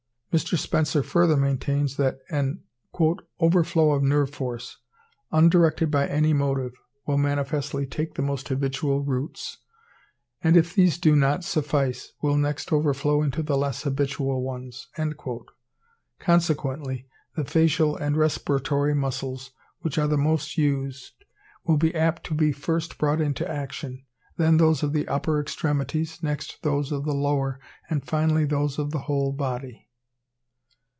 Mr. Spencer further maintains that an "overflow of nerve force, undirected by any motive, will manifestly take the most habitual routes; and, if these do not suffice, will next overflow into the less habitual ones." Consequently the facial and respiratory muscles, which are the most used, will be apt to be first brought into action; then those of the upper extremities, next those of the lower, and finally those of the whole body.